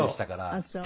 あっそう。